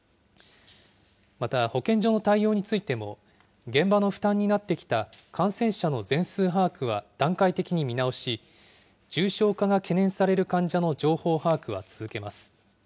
また保健所の対応についても、現場の負担になってきた感染者の全数把握は段階的に見直し、重症化が懸念される患者の情報把握は続けます。